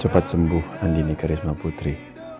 cepat sembuh andini karisma putri